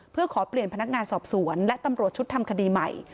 เพื่อขอเปลี่ยนพนักงานสอบสวนและตำรวจชุดทำคดีใหม่